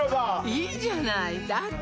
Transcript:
いいじゃないだって